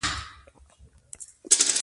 افغانستان د بدخشان له امله شهرت لري.